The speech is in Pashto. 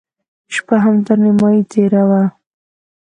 شپه هم تر نيمايي تېره وه.